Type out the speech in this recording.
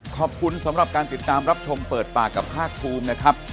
ขอบคุณสำหรับการติดตามรับชมเปิดปากกับภาคภูมินะครับ